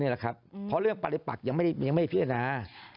เพราะเรื่องปฏิปักยังไม่พิจารณา